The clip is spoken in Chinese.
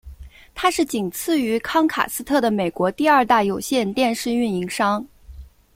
它是仅此于康卡斯特的美国第二大有线电视运营商。